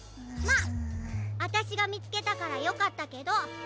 まああたしがみつけたからよかったけど。